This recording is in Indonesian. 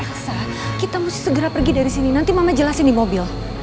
kita mesti segera pergi dari sini nanti mama jelasin di mobil